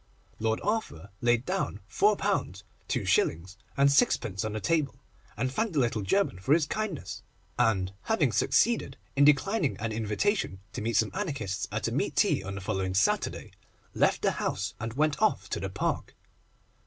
Lord Arthur laid down £4, 2s. 6d. on the table, thanked the little German for his kindness, and, having succeeded in declining an invitation to meet some Anarchists at a meat tea on the following Saturday, left the house and went off to the Park.